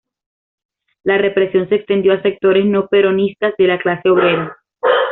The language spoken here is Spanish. La represión se extendió a sectores no peronistas de la clase obrera.